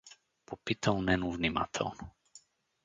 попитал Нено внимателно.